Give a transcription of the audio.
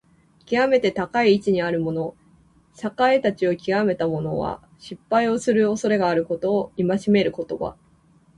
きわめて高い地位にあるもの、栄達をきわめた者は、失敗をするおそれがあることを戒める言葉。